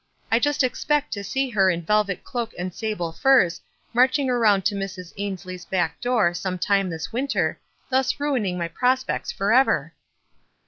I just expect to see her in velvet cloak and sable furs marching around to Mrs. Ainslie's back door some time this winter, thus ruining my prospects forever."